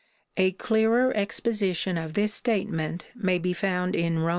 A clearer ex position of this statement may be found in Rom.